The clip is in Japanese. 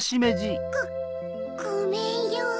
ごめんよ。